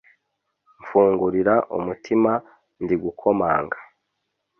Mfungurira umutima ndigukomanga